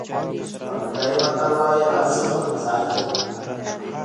افریقایي متل وایي هرڅه خپل ځای لري.